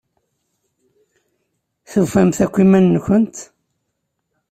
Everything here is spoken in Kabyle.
Tufamt akk iman-nkent?